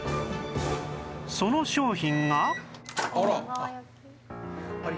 その商品が